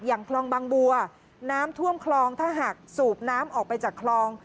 คลองบางบัวน้ำท่วมคลองถ้าหากสูบน้ำออกไปจากคลอง